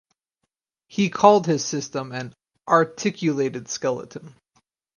He called his system an "articulated skeleton".